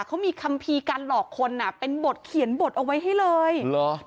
เขามีคัมภีร์การหลอกคนอ่ะเป็นบทเขียนบทเอาไว้ให้เลยเหรอ